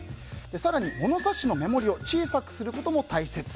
更に、物差しの目盛りを小さくすることも大切。